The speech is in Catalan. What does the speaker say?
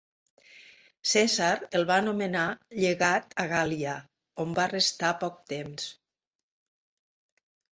Cèsar el va nomenar llegat a la Gàl·lia on va restar poc temps.